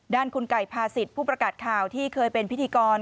ด้านคุณไก่ภาษิตผู้ประกาศข่าวที่เคยเป็นพิธีกร